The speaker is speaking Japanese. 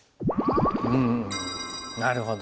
うんなるほど。